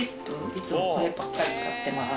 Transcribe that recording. いつもこればっかり使ってます。